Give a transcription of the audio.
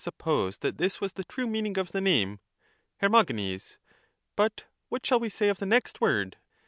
suppose that this was the true meaning of the name. Her. But what shall we say of the next word?